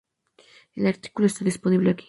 El artículo está disponible aquí.